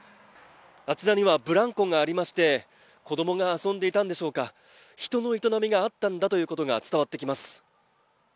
あちらにはブランコがありまして、子供が遊んでいたんでしょうか、人の営みがあったんだろうということが伝わってきます。